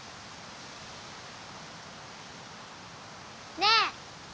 ねえ。